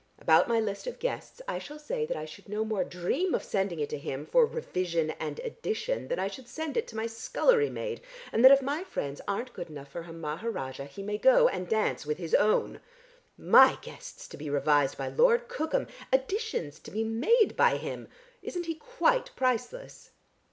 About my list of guests I shall say that I should no more dream of sending it to him for revision and addition than I should send it to my scullery maid, and that if my friends aren't good enough for a Maharajah, he may go and dance with his own. My guests to be revised by Lord Cookham! Additions to be made by him! Isn't he quite priceless?"